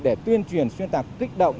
để tuyên truyền xuyên tạc kích động